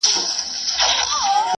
خیر محمد په سړک باندې یوازې پاتې شو.